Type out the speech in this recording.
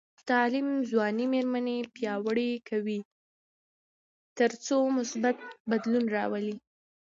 تعلیم ځوانې میرمنې پیاوړې کوي تر څو مثبت بدلون راولي.